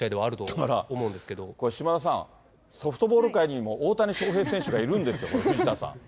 だからこれ、島田さん、ソフトボール界にも大谷翔平選手がいるんですよ、この藤田さん。